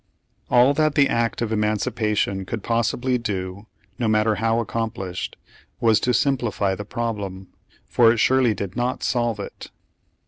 All that the act of emancipation could possibly do, no matter how accomplished, was to simplify the problem, for it surely did not solve it.